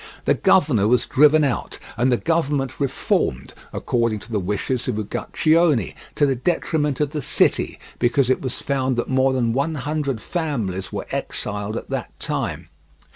The governor was driven out, and the government reformed according to the wishes of Uguccione, to the detriment of the city, because it was found that more than one hundred families were exiled at that time.